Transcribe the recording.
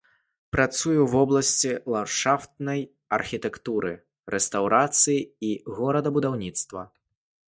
Працуе ў вобласці ландшафтнай архітэктуры, рэстаўрацыі і горадабудаўніцтва.